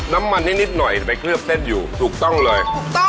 น้ำมันนิดหน่อยไปเคลือบเส้นอยู่ถูกต้องเลย